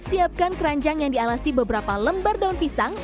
siapkan keranjang yang dialasi beberapa lembar daun pisang